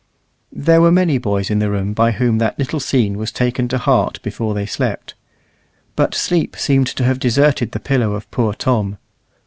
There were many boys in the room by whom that little scene was taken to heart before they slept. But sleep seemed to have deserted the pillow of poor Tom.